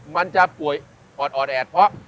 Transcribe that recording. มันจะป่วยออดแอดเพราะ